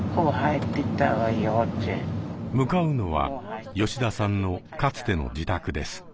向かうのは吉田さんのかつての自宅です。